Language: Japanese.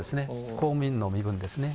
公務員の身分ですね。